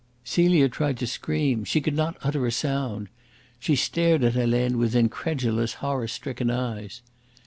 Celia tried to scream; she could not utter a sound. She stared at Helene with incredulous, horror stricken eyes.